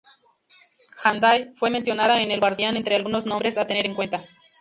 Handal fue mencionada en El Guardián entre 'algunos nombres a tener en cuenta.